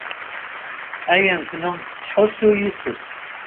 Ayen tennum tettḥusu yes-s.